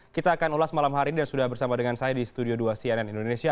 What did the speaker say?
kita akan ulas malam hari ini dan sudah bersama dengan saya di studio dua cnn indonesia